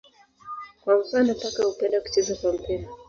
Kwa mfano paka hupenda kucheza kwa mpira.